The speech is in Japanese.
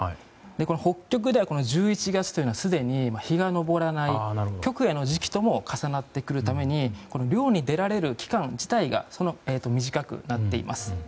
この北極では１１月というのはすでに日が昇らない極夜の時期とも重なってくるために猟に出られる期間自体が短くなっています。